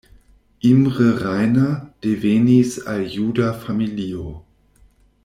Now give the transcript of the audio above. Imre Reiner devenis el juda familio.